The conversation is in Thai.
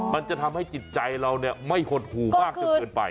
มันจะทำให้จิตใจเราไม่หดหูมากจนเกินไป